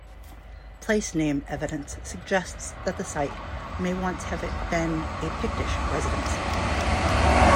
Place-name evidence suggests that the site may once have been a Pictish residence.